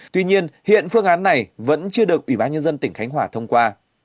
tuy nhiên hiện phương án này vẫn chưa được ubnd tp khánh hòa thông qua